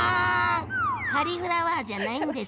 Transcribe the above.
カリフラワーじゃないんですね。